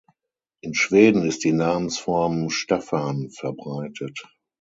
In Schweden ist die Namensform "Staffan" verbreitet.